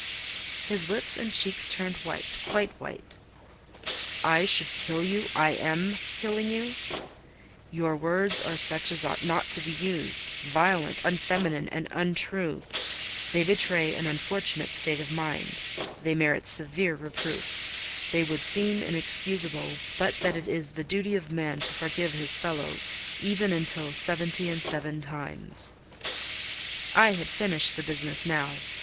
His lips and cheeks turned white—quite white. "I should kill you—I am killing you? Your words are such as ought not to be used: violent, unfeminine, and untrue. They betray an unfortunate state of mind: they merit severe reproof: they would seem inexcusable, but that it is the duty of man to forgive his fellow even until seventy and seven times." I had finished the business now.